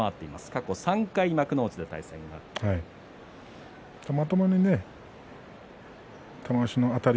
過去３回幕内で対戦がありました。